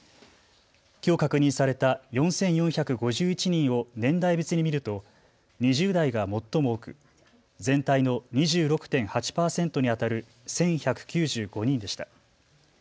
きょう確認された４４５１人を年代別に見ると２０代が最も多く全体の２６．８％にあたる１１９５人でした。